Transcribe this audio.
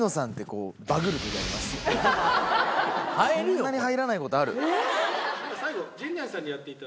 こんなに入らないことある？